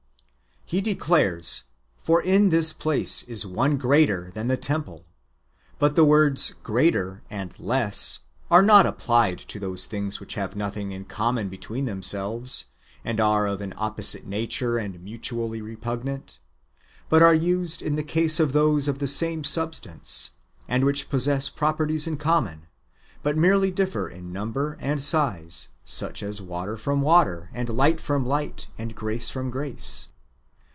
He declares :" For in this place is one greater than the temple." ^ But [the words] greater and less are not applied to those things which have nothinof in common between themselves, and are of an opposite nature, and mutually re pugnant ; but are used in the case of those of the same sub stance, and which possess properties in common, but merely differ in number and size; such as water from water, and light from light, and grace from grace.